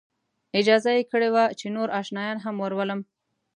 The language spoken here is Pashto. اجازه یې کړې وه چې نور آشنایان هم ورولم.